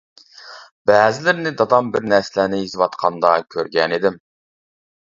بەزىلىرىنى دادام بىر نەرسىلەرنى يېزىۋاتقاندا كۆرگەنىدىم.